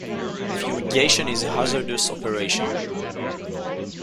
Fumigation is a hazardous operation.